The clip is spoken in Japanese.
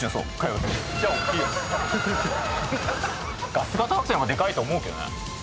ガス型惑星の方がでかいと思うけどね。